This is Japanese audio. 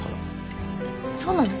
えっそうなの？